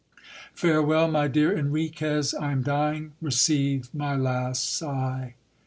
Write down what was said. Farewell, my dear Enriquez I am dying Re ceive my last sigh.